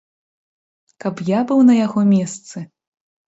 Каб я быў на яго месцы!